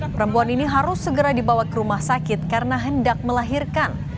perempuan ini harus segera dibawa ke rumah sakit karena hendak melahirkan